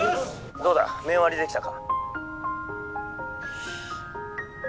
☎どうだメン割りできたか？